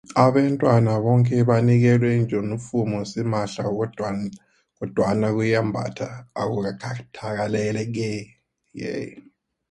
Abentwana boke banikelwa ijinifomu simahla kodwana ukuyembatha akukakateleleki.